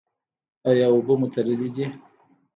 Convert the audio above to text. ایا اوبه مو تللې دي؟